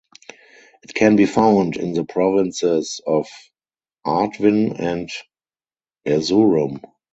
It can be found in the provinces of Artvin and Erzurum.